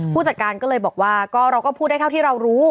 ผู้จัดการก็เลยบอกว่าก็เราก็พูดได้เท่าที่เรารู้